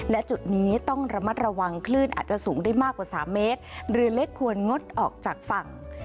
และจุดนี้ต้องระมัดระวังคลื่นอาจจะสูงได้มากกว่าสามเมตรเรือเล็กควรงดออกจากฝั่ง